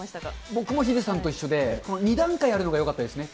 僕もヒデさんと一緒で、この２段階あるのがよかったですね。